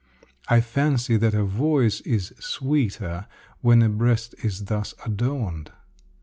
I fancy that a voice is sweeter when a breast is thus adorned.